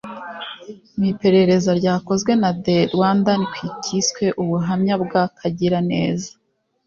Mu iperereza ryakozwe na The Rwandan ku kiswe ubuhamya bwa Kagiraneza